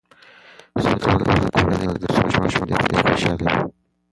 ستونزې حل کول د کورنۍ دنده ده ترڅو ماشومان خوندي او خوشحاله وي.